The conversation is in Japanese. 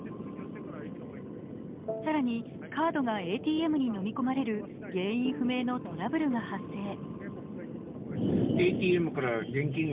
更にカードがＡＴＭにのみ込まれる原因不明のトラブルが発生。